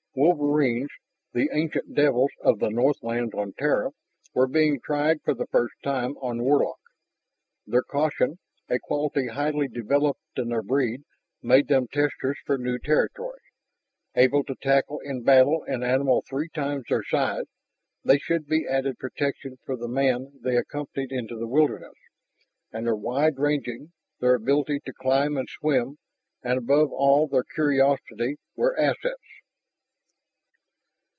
Wolverines, the ancient "devils" of the northlands on Terra, were being tried for the first time on Warlock. Their caution, a quality highly developed in their breed, made them testers for new territory. Able to tackle in battle an animal three times their size, they should be added protection for the man they accompanied into the wilderness, and their wide ranging, their ability to climb and swim, and above all, their curiosity were assets.